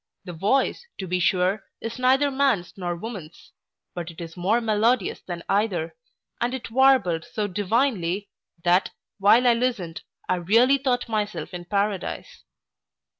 The voice, to be sure, is neither man's nor woman's; but it is more melodious than either; and it warbled so divinely, that, while I listened, I really thought myself in paradise.